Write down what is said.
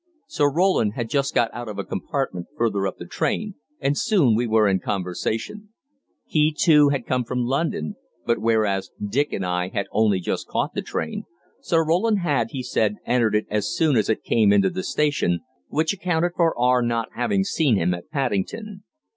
Sir Roland had just got out of a compartment further up the train, and soon we were in conversation. He too had come from London, but whereas Dick and I had only just caught the train, Sir Roland had, he said, entered it as soon as it came into the station, which accounted for our not having seen him at Paddington.